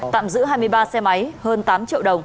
tạm giữ hai mươi ba xe máy hơn tám triệu đồng